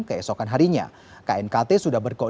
kerusakan pada air speed indicator